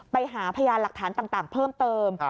ไปหาพยานหลักฐานต่างเพิ่มเติม